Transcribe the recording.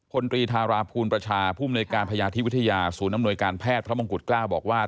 ตรีธาราภูลประชาภูมิในการพยาธิวิทยาศูนย์อำนวยการแพทย์พระมงกุฎเกล้าบอกว่า